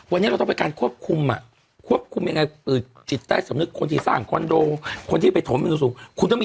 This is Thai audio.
วันนี้เราถามไปการควบคุมอ่ะควบคุมยังไงอืม